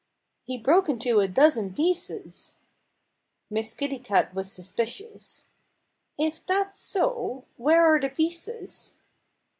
"He broke into a dozen pieces." Miss Kitty Cat was suspicious. "If that's so, where are the pieces?"